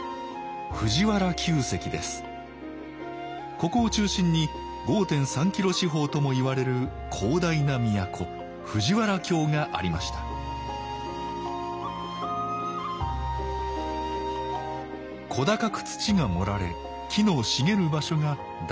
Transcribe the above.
ここを中心に５．３キロ四方ともいわれる広大な都藤原京がありました小高く土が盛られ木の茂る場所が大極殿院。